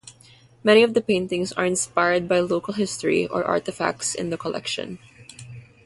Many of the paintings are inspired by local history or artifacts in the collection.